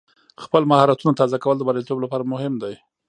خپل مهارتونه تازه کول د بریالیتوب لپاره مهم دی.